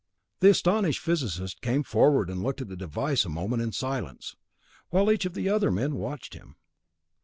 The astonished physicist came forward and looked at the device a moment in silence, while each of the other men watched him.